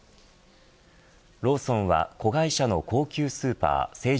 ローソンは子会社の高級スーパー成城